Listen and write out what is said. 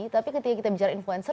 tapi ketika kita bicara influenza